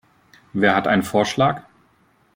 Wer hat einen Vorschlag?